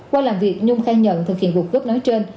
qua làm việc nhung khai nhận thực hiện cuộc cướp nói trên